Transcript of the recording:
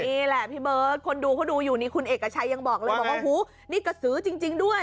นี่แหละพี่เบิร์ตคนดูเขาดูอยู่นี่คุณเอกชัยยังบอกเลยบอกว่าหูนี่กระสือจริงด้วย